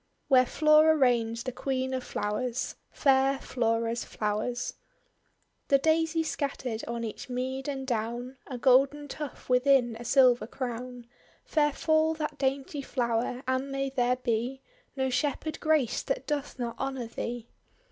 WHERE FLORA REIGNS THE QUEEN OF FLOWERS FAIR FLORA'S FLOWERS The Daisy scattered on each mead and down, A golden tuft within a silver crown, (Fair fall that dainty flower! and may there be No Shepherd graced that doth not honour thee!)